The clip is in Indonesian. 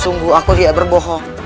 sungguh aku tidak berbohong